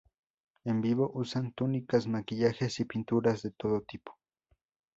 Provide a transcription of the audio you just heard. En vivo usan túnicas, maquillajes y pinturas de todo tipo.